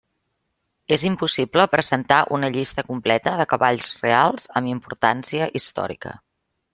És impossible presentar una llista completa de cavalls reals amb importància històrica.